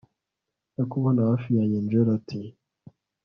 ntakubona hafi yanjye angella ati